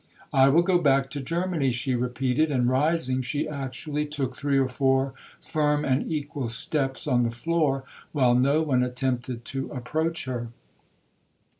'I will go back to Germany,' she repeated; and, rising, she actually took three or four firm and equal steps on the floor, while no one attempted to approach her.